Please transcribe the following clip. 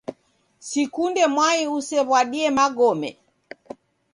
Sikunde mwai usew'uadie magome.